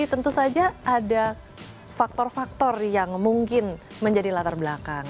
tentu saja ada faktor faktor yang mungkin menjadi latar belakang